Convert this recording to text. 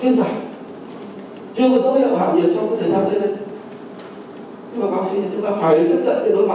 và nó chưa có dấu hiệu thiên giải chưa có dấu hiệu hạng nhiệt trong các thời gian tới đây